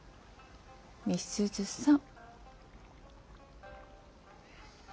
美鈴さん。